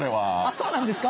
そうなんですか？